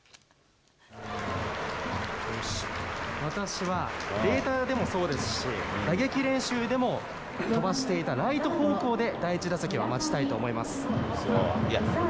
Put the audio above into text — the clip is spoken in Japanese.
よし、私は、データでもそうですし、打撃練習でも飛ばしていたライト方向で、第１打席は待ちたいと思います。